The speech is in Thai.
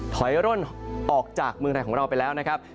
ถอยร่นออกจากเมืองไทยของเราไปแล้วนะครับ